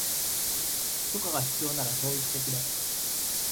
許可が必要ならそう言ってくれ